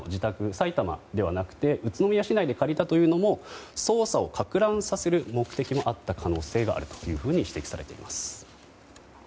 埼玉ではなくて宇都宮市内で借りたというのも捜査をかく乱させる目的もあった可能性があると指摘されています。